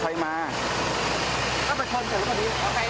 ก็ไม่ชนกับรถนี้